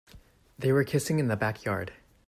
They were kissing in the backyard.